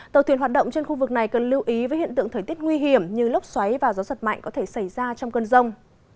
tàu thuyền hoạt động trên khu vực này cần lưu ý với hiện tượng thời tiết nguy hiểm như lốc xoáy và gió giật mạnh có thể xảy ra trong cơn rông